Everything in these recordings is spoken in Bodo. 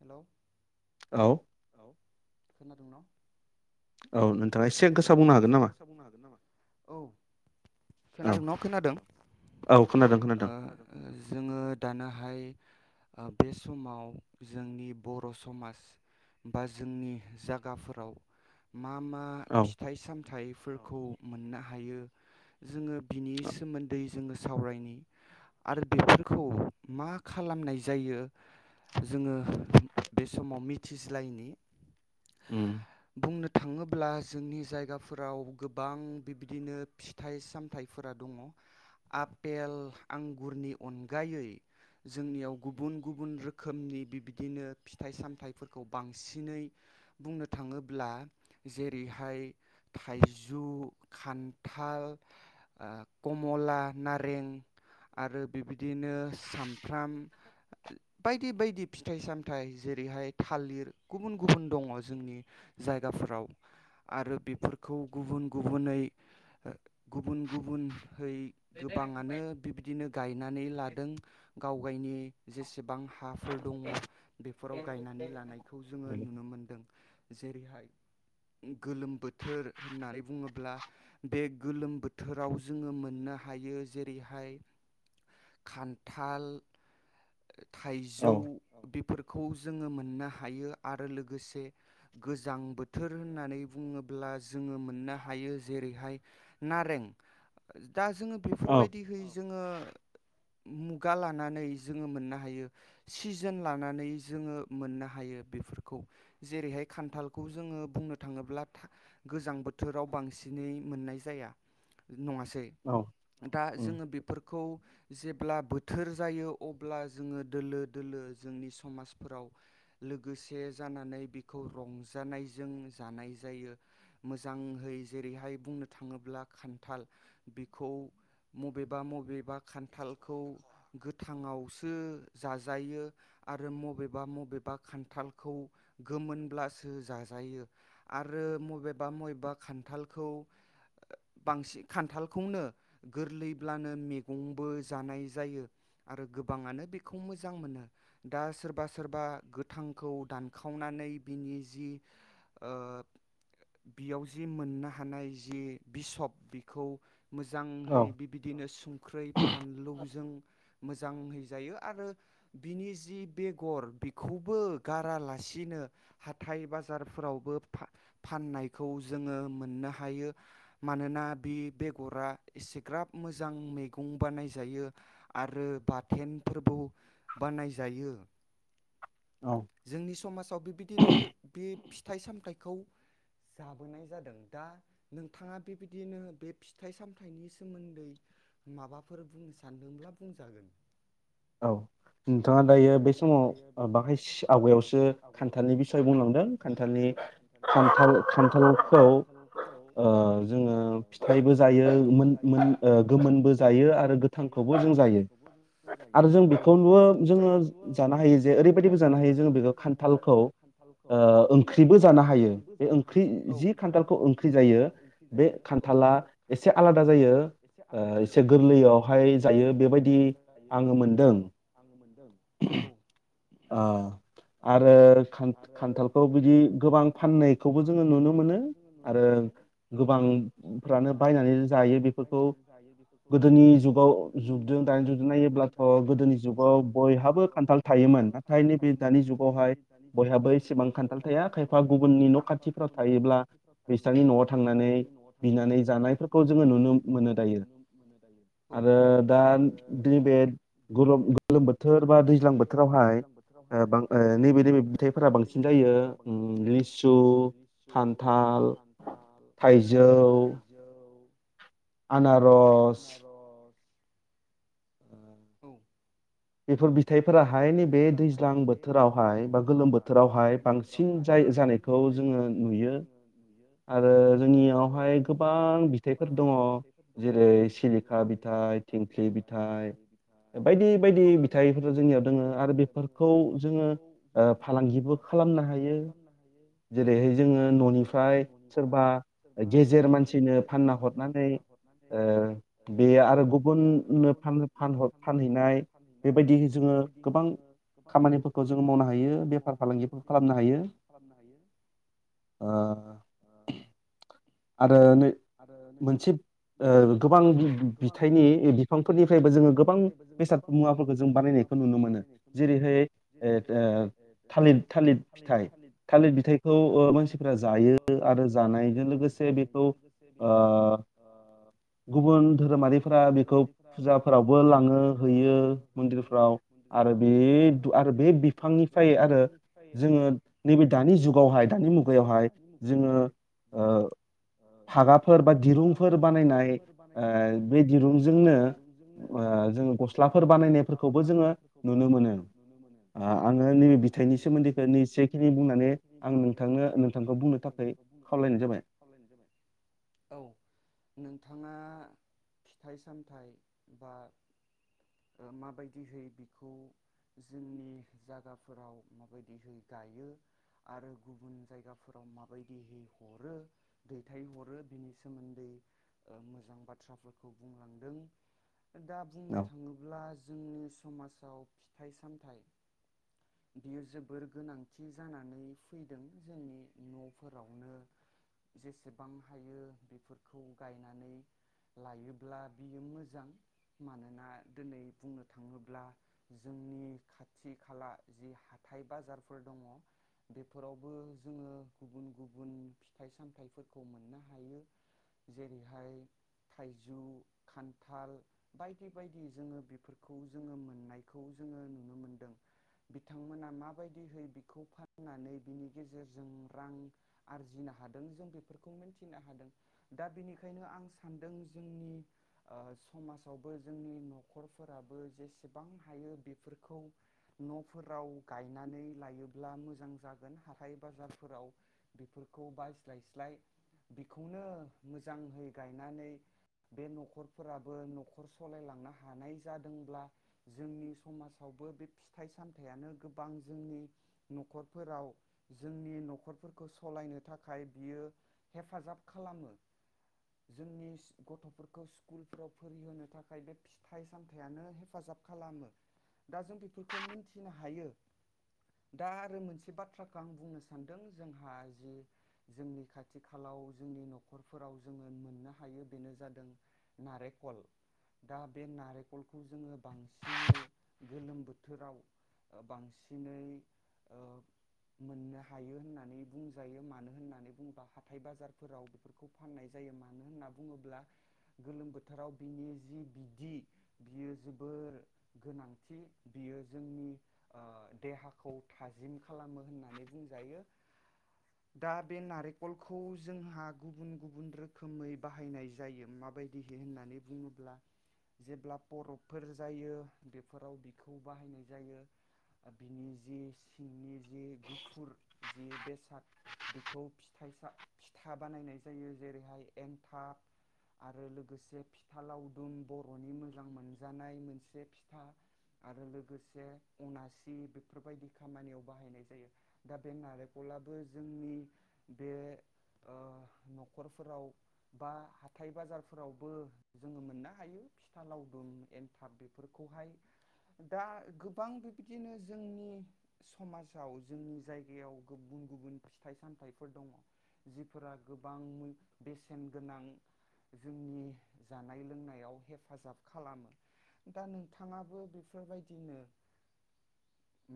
हेलौ औ। खोनादोंना? औ नों औ खोनादों न खोनादों? [inaudible] ओ जोङो दाना हाय ओ बे समाव जोंनि बर' समाज बा जोंनि जागाफोराव मा मा फिथाइ सामथाइ फोरखौ मोननो हायो जोङो। बिनि सोमोन्दै जोङो सावरायनि आरो बेफोरखौ मा खालामनाय जायो जोङो बे समाव मिथिज्लायनि ओम। बुंनो थाङोब्ला जोंनि जायगाफोराव गोबां बिबिदिनो फिथाइ सामथाइफोरा दङ आफेल आंगुरनि अनगायै जोंनियाव गुबुन गुबुन रोखोमनि बिबिदिनो फिथाइ सामथाइफोरखौ बांसिनै बुंनो थाङोब्ला जे बेहाय थाइजु खान्थाल ओ कमला नारें आरो बिबायदिनो साम फ्राम बायदि बायदि फिथाइ सामथाइ जेरैहाय थालिर गुबुन गुबुन दङ जोंनि जायगाफोराव आरो बेफोरखौ गुबुन गुबुनै गुबुन गुबुनहै गोबाङानो बिबायदिनो गायनानै लादों गाव गावनि जेसे एसेबां हाफोर दङ बेफोराव गायनानै लानायखौ जोङो नुनो मोनदों। जेरैहाय गोलोम बोथोर होननानै बुङोब्ला बे गोलोम बोथोराव जोङो मोननो हायो जेरैहाय खान्थाल थाइजौ बेफोर खौ जोङो मोननो हायो आरो लोगोसे गोजां बोथोर होननानै बुङोब्ला जोङो मोननो हायो जेरैहाय नारें। दा जोङो बेफोरबायदि है जोङो मुगा लानानै जोङो मोननो हायो सिजोन लानानै जोङो मोननो हायो बेफोरखौ जेरैहाय खान्थालखौ जोङो बुंनो थाङोब्ला था गोजां बोथोराव बांसिनै मोननाय जाया नङासै दा जोङो बेफोरखौ जे ब्ला बोथोर जायो अब्ला जोङो दोलो दोलो जोंनि समाजफोराव लोगोसे जानानै बेखौ रंजानायजों जानाय जायो मोजाङहै जेरैहाय बुंनो थाङोब्ला खान्थाल बेखौ मबेबा मबेबा खान्थालखौ गोथाङावसो जाजायो आरो मबेबा मबेबा खान्थालखौ गोमोनब्लासो जाजायो। आरो मबेबा मबेबा खान्थालखौ बांसिन खान्थालखौनो गोरलैब्लानो मैगंबो जानाय जायो आरो गोबाङानो बेखौ मोजां मोनो दा सोरबा सोरबा गोथांखौ दानखावनानै बिनि जि ओ बियाव जि मोननो हानाय जि बिसब बिखौ मोजांहै बिबायदिनो सुंख्रै फानलुजों मोजां हैजायो आरो बिनि जि बेगर बेखौबो गारालासिनो हाथाइ बाजार फोरावबो फा फाननायखौ जोङो मोननो हायो मानोना बे बेगरा एसेग्राब मोजां मैगं बानायजायो आरो बाथेन फोरबो बानायजायो। जोंनि समाजाव बेबायदिनो बे फि फिथाइ सामथाइखौ जाबोनाय जादों दा नोंथाङा बेबायदिनो बे फिथाइ सामथायाइनि सोमोन्दै माबाफोर बुंनो सानदोंब्ला बुंजागोन। औ नोंथाङा दायो बे समाव बाहाय आवगायावसो खान्थालनि बिसय बुंलांदों खा खान्थालनि खान्थाल खान्थालखौ ओ जोङो फिथाइबो जायो मोन मोन ओ गोमोनबो जायो आरो गोथांखौबो जों जायो। आरो जों बेखौ बो जोङो जानो हायो जे ओरैबायदिबो जानो हायो जोङो बेखौ खान्थालखौ ओ ओं ख्रिबो जानो हायो बे ओंख्रि जि खान्थालखौ ओंख्रि जायो बे खान्थाला एसे आलादा जायो ओ एसे गोरलैयावहाय जायो बेबायदि आङो मोनदों। औ। अ आरो खान्थ-खान्थालखौ बिदि गोबां फाननायखौबो जोङो नुनो मोनो आरो गोबांफ्रानो बायनानै जायो बेफोरखौ गोदोनि जुगाव जुगदजों दानि जुगजों नायोब्लाथ गोदोनि जुगाव बयहाबो खान्थाल थायोमोन। खान्थाल थायोमोन नाथाय नैबे दानि जुगावहाय बयहाबो एसेबां खान्थाल थाया खायफा गुबुननि न' खाथिफ्राव थायोब्ला बैस्रानि न'आव थांनानै बिनानै जानायफोरखौ जोङो नुनो मोनो दायो औ आरो दा नैबे गरम गोलोम बोथोर बा दैज्लां बोथ ओ-बां-ओ नैबे नैबे फिथाइफोरा बांसिन जायो। थाइफोरा बांसिन जायो उम लिसु खान्थाल थाइजौ आनारस औ बेफोर बि बेफोर बिथायफोराहाय नैबे दैज्लां बोथोरावहाय बा गोलोम बोथोरावहाय बांसिन जाय जानायखौ जोङो नुयो। आरो जोंनियावहाय गोबां बिथायफोर दङ जेरै सिलिखा बिथाइ थिंख्लि बिथाइ बायदि बायदि बिथाइ बेफोरबायदि बिथाइफोरा जोंनियाव दोङो आरो बेफोरखौ जोङो ओ फालांगिबो खालामनो हायो। जेरैहाय जोङो न'निफ्राय सोरबा गेजेर मानसिनो फानना हरनानै ओ बे आरो गुबुननो फान फान फानहैनाय बेबायदि जोङो गोबां खामानिफोरखौ जों मावनो हायो बेफार फालांगिफोर खालामनो हायो। ओ आरो नै मोनसे ओ गोबां बि बि बिथाइनि बिफांफोरनिफ्रायबो जोङो गोबां बेसाद मुवाफोरखौ जों बा मुवाफोरखौ जों बानायनायखौ नुनो मोनो जेरैहाय ओ ओ थालित थालित थालिर बिथाइखौ ओ मानसिफोरा जायो आरो जानायजों लोगोसे बेखौ ओ गुबुन धोरोमारिफोरा बेखौ फुजाफोरावबो लाङो हैयो। फ्राव आरो बे आरो बे बिफांनिफ्राय आरो जोङो नैबे दानि जुगावहाय दानि मुगायावहाय जोङो ओ फागाफोर बा दिरुंफोर बानायनाय ओ बे दिरुंजोंनो ओ जों गस्लाफोर बानायनाय सिख्लाफोर बानायनायफोरखौबो जोङो नुनो मोनो आङो नैबे बिथाइनि सोमोन्दै [unintelligible] नोंथांखौ बुंनो खावलायनाय जाबाय औ नोंथाङा फिथाइ सामथाइ बा ओ मा माबायदिहै बिखौ जोंनि जागाफोराव माबायदिहै गायो आरो गुबुन जायगाफोराव माबायदिहै हरो दैथायहरो बिनि सोमोन्दै ओ मोजां बाथ्राफोरखौ बुंलांदों। दा बुंनो थाङोब्ला जोंनि समाजाव फिथाइ सामथाइ बियो जोबोर गोनांथि जानानै फैदों जोंनि न'फोरावनो जेसेबां हायो बेफोरखौ गायनानै लायोब्ला बियो मोजां मानोना दोनै बुंनो थाङोब्ला जोंनि खाथि खाला जि हाथाइ बाजारफोर दङ बेफोरावबो जोङो गुबुन गुबुन फिथाइ सामथाइफोरखौ मोननो हायो जेरैहाय थाइजौ खान्थाल बायदि बायदि जोङो बे फोरखौ जोङो मोननायखौ जोङो नुनो मोनदों बिथांमोना माबायदिहै बेखौ फाननानै बिनि गेजेरजों रां आरजिनो हादों जों बेफोरखौ मिथिनो हादों दा बेनिखायनो आं सानदों जोंनि ओ समाजावबो जोंनि न'खर फोराबो जेसेबां हायो बेफोरखौ न'फोराव गायनानै लायोब्ला मोजां जागोन हाथाय बाजारफोराव बेफोरखौ बायज्लायस्लाय बेखौनो मोजाङै गायनानै बे न'खरफोराबो न'खर सलायलांनो हानाय जादोंब्ला जोंनि समाजावबो बे फिथाइ सामथाइयानो गोबां जोंनि न'खरफोराव जोंनि न'खरफोरखौ सलायनो थाखाय बियो हेफाजाब खालामो जोंनि स गथ'फोरखौ स्कुलफ्राव फरिहोनो थाखाय बे फिथाइ सामथायानो हेफाजाब खालामो दाजोंबेफोरखौ मिथिनो हायो दा आरो मोनसेबाथ्राखौ आंबुंनो सानदों जोंनि खाथिखालाव जोंनि नखरफोराव जोङो मोनोहायो बेनोजादों नारेखल दा बे नारेखल खलखौ जोङो बांसिनै गोलोम बोथोराव ओ बांसिनै ओ मोननो हायो होननानै बुंजायो मानो होननानै बुङोबा हाथाय बाजारफोराव बेफोरखौ फाननाय जायो मानो होनना बुङोब्ला गोलोम बोथोराव बिनि जि बिदि बियो जोबोर गोनांथि बियो जोंनि ओ देहाखौ थाजिम खालामो होननानै बुंजायो दा बे नारेंखलखौ जोंहा गुबुन गुबुन रोखोमै बाहायनाय जायो माबायदिहै होननानै बुङोब्ला जेब्ला बरफफोर जायो बेफोराव बिखौ बाहायनाय जायो बिनि जि सिंनि जि गुफुर जि बेसाद बेखौ फिथाइ सा फिथा बानायनाय जायो जेरैहाय एन्थाब आरो लोगोसे फिथा लावदुम बर'नि मो मोजां मोनजानाय मोनसे फिथा आरो लोगोसे अनासि बेफोरबायदि खामानियाव बाहायनाय जायो दा बे नारेंखलाबो जोंनि बे ओ न'खरफोराव बा हाथाय बाजारफोरावबो जोङो मोननो हायो। फि था लावदुम एन्थाब बेफोरखौहाय दा गोबां बेबायदिनो जोंनि समाजाव जोंनि जायगायाव गुबुन गुबुन फिथाइ सामथाइफोर दङ जिफोरा गोबां बेसेन गोनां जोंनि जानाय लोंनायाव हेफा हेफाजाब खालामो दा नोंथाङाबो बेफोरबायदिनो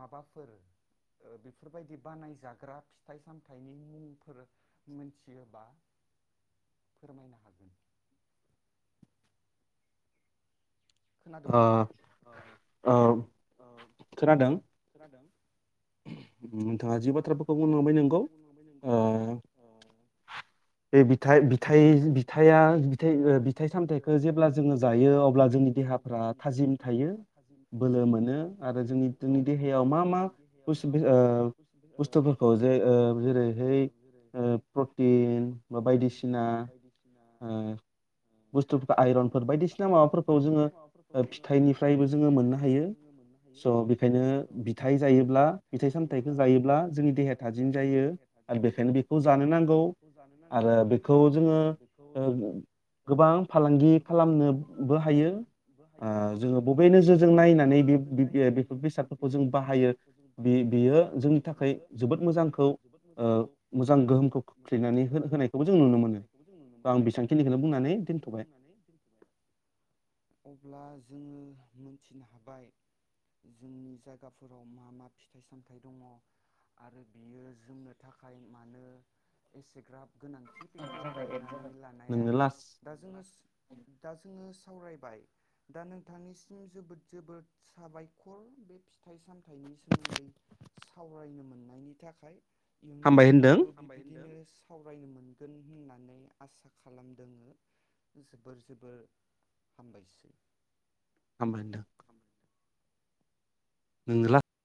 माबाफोर ओ बेफोरबायदि बानायजाग्रा फिथाइ सामथाइनि मुंफोर मोनथियोबा फोरमायनो हागोन। खोनादों न अ अ खोनादों। नोंथाङा जोबोद बाथ्राफोरखौ बुंलांबाय नोंगौ ओ बे बिथाइ बिथाइ बिथाइया बिथाइ सामथायाइखौ जेब्ला जोङो जायो अब्ला जोंनि देहाफोरा थाजिम थायो बोलो मोनो आरो जोंनि जोंनि देहायाव मा मा [unintelligible] बुस्थुफोरखौ जे ओ जेरैहाय ओ प्रटिन बा बायदिसिना बुस्थुफोरखौ आइरनफोर बायदिसिना माबाफोरखौ जोङो फिथाइनिफ्रायबो जोङो मोननो हायो स बेखायनो बिथाइ जायोब्ला बिथाइ सामथाइखो जायो। फिथाइ सामथाइखौ जायोब्ला जोंनि देहाया थाजिम जायो आरो बेखायनो बेखौ जानो नांगौ आरो बेखौ जोङो गोबां फालांगि खालामनोबो हायो ओ जोङो बबे नोजोरजों नायनानै बे बेफोर बेसादफोरखौ जों बि बियो बे बेयो जोंनि थाखाय जोबोद मोजांखौ ओ मोजां गोहोमखौ खोबथेनानै होनायखौबो जों नुनो मोनो औ बेसांखिनिखौनो बुंनानै दोनथबाय अब्ला जोङो मोनथिनो हाबाय जोंनि जायगाफोराव मा मा फिथाइ सामथाइ दंङ आरो बियो जोमनो थाखाय मानो एसेग्राब गोनांथि बेखौ गायनानै लानाया दा जोङो दा जोङो। सावरायबाय दा नोंथांनिसिम जोबोद जोबोद साबायखर बे फिथाइ सामथाइनि सोमोन्दै फरायनो मोननायनि थाखाय इयुननि दिनावबो बिदिनो सावरायनो मोनगोन होननानै आसा खालामदोङो जोबोर जोबोर हामबायसै। हामबाय होनदों। [unintelligible]